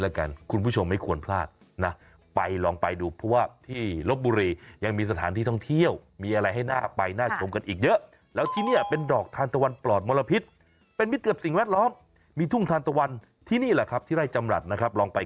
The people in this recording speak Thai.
แล้วกันคุณผู้ชมไม่ควรพลาดนะไปลองไปดูเพราะว่าที่